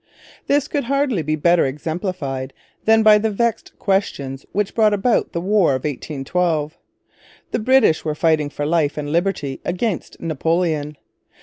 This could hardly be better exemplified than by the vexed questions which brought about the War of 1812. The British were fighting for life and liberty against Napoleon.